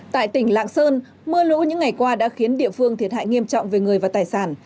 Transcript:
tại tỉnh lạng sơn mưa lũ những ngày qua đã khiến địa phương thiệt hại nghiêm trọng về người và tài sản